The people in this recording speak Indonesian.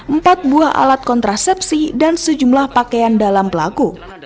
empat buah alat kontrasepsi dan sejumlah pakaian dalam pelaku